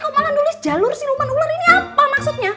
kamu malah nulis jalur siluman ular ini apa maksudnya